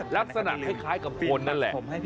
ลักษณะคล้ายกับคนนั่นแหละ